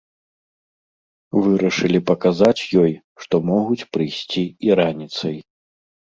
Вырашылі паказаць ёй, што могуць прыйсці і раніцай.